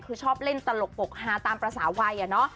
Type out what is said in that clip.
คือชอบเล่นตลกปกฮาตามภาษาวัย